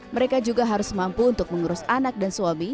mereka juga harus mampu untuk mengurus anak dan suami